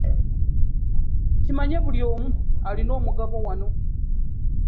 Kimanye buli omu alina omugabo wano.